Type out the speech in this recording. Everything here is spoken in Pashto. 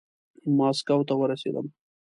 ماسکو ته ورسېدم.